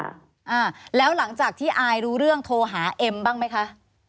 อ่าแล้วหลังจากที่อายรู้เรื่องโทรหาเอ็มบ้างไหมคะ